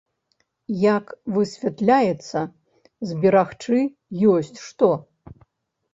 Як высвятляецца, зберагчы ёсць што.